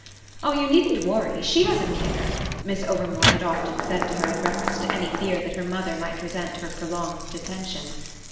"Oh you needn't worry: she doesn't care!" Miss Overmore had often said to her in reference to any fear that her mother might resent her prolonged detention.